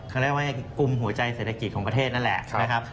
เขาเรียกว่ากลุ่มหัวใจเศรษฐกิจของประเทศนั่นแหละนะครับ